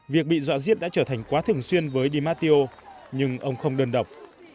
việc bị dọa giết đã trở thành quá thường xuyên với di matteo nhưng ông không đơn độc